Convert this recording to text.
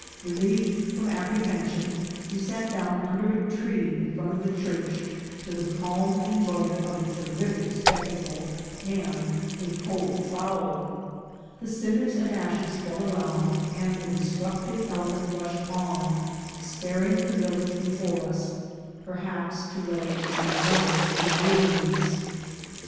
Relieved from apprehension, we sat down under a tree in front of the church to the calm enjoyment of the terrific spectacle and a cold fowl. The cinders and ashes fell around, and the destructive element rushed on, sparing the village before us, per haps to lay some other in ruins.